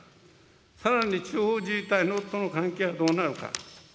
さらに地方自治体との関係はどうなるか。